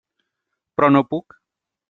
Però no puc.